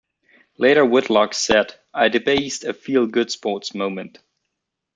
Later, Whitlock said, I debased a feel-good sports moment.